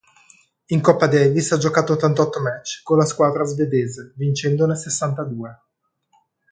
In Coppa Davis ha giocato ottantotto match con la squadra svedese, vincendone sessantadue.